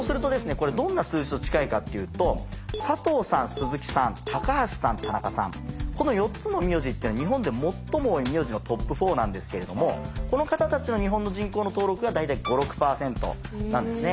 これどんな数字と近いかっていうとこの４つの名字っていうのは日本で最も多い名字のトップ４なんですけれどもこの方たちの日本の人口の登録が大体５６％なんですね。